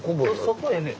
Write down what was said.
そこへね